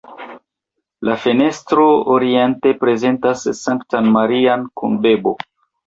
La fenestro oriente prezentas Sanktan Marian kun bebo.